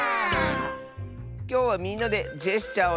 きょうはみんなでジェスチャーをしてあそぶよ！